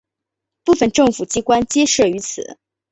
部分政府机关皆设于此。